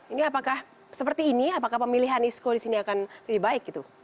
ini apakah seperti ini apakah pemilihan isco di sini akan lebih baik gitu